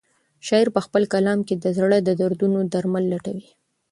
شاعر په خپل کلام کې د زړه د دردونو درمل لټوي.